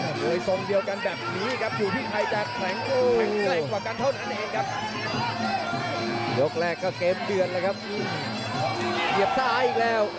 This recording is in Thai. แล้วตั้งพาเอาไว้ครับถือไม่ได้ครับต้องเชียบดาวถือต่อกับเกี่ยวใกล้